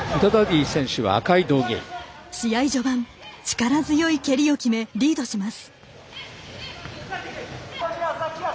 試合序盤、力強い蹴りを決めリードします。